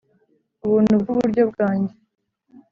ubuntu bwuburyo bwanjye.